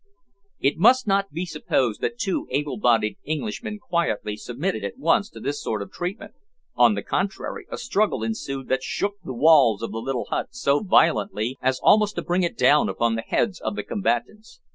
It must not be supposed that two able bodied Englishmen quietly submitted at once to this sort of treatment. On the contrary, a struggle ensued that shook the walls of the little hut so violently as almost to bring it down upon the heads of the combatants.